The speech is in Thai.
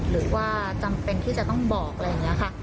หรือว่าจำเป็นที่จะต้องบอกอะไรอย่างนี้ค่ะ